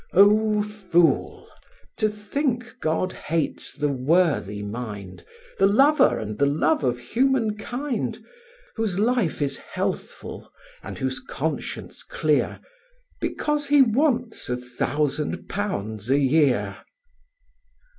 Oh, fool! to think God hates the worthy mind, The lover and the love of human kind, Whose life is healthful, and whose conscience clear, Because he wants a thousand pounds a year.